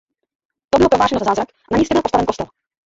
To bylo prohlášeno za zázrak a na místě byl postaven kostel.